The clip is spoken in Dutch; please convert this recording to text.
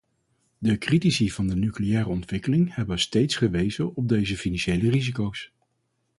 De critici van de nucleaire ontwikkeling hebben steeds gewezen op deze financiële risico's.